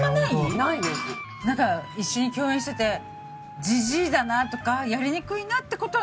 なんか一緒に共演しててジジイだなとかやりにくいなって事はないの？